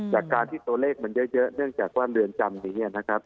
จากการที่ตัวเลขมันเยอะเนื่องจากว่าเรือนจำนี้นะครับ